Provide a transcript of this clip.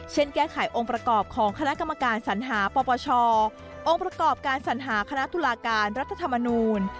แก้ไของค์ประกอบของคณะกรรมการสัญหาปปชองค์ประกอบการสัญหาคณะตุลาการรัฐธรรมนูล